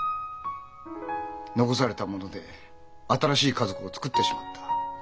残された者で新しい家族をつくってしまった。